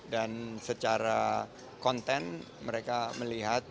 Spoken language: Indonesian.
dan secara konten mereka melihat